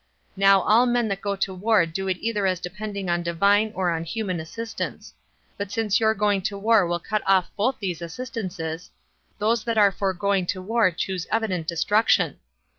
Now all men that go to war do it either as depending on Divine or on human assistance; but since your going to war will cut off both those assistances, those that are for going to war choose evident destruction.